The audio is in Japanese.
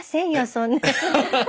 そんなの。